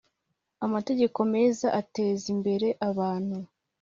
Amategeko meza atezimbere abantu